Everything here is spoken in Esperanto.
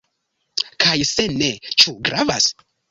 Kaj se ne, ĉu gravas?